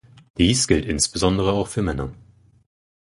Dies gilt insbesondere auch für Männer.